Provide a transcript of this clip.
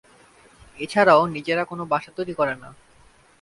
এছাড়াও নিজেরা কোন বাসা তৈরী করে না।